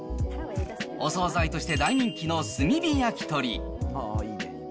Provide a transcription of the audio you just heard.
お総菜として大人気の炭火やきとり。